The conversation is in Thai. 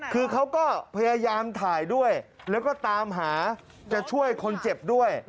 คือเขาก็พยายามถ่ายด้วยแล้วก็ตามหาจะช่วยคนเจ็บด้วย